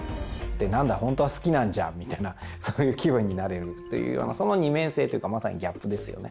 「なんだ本当は好きなんじゃん」みたいなそういう気分になれるというようなその二面性というかまさにギャップですよね。